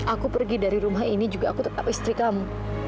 aku pergi dari rumah ini juga aku tetap istri kamu